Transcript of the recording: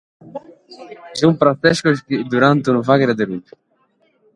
Sunt protzessos chi durant unu fàghere de rugre.